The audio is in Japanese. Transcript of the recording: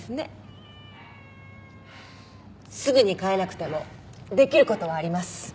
すぐに飼えなくてもできる事はあります。